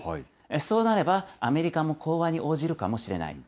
そうなれば、アメリカも講和に応じるかもしれない。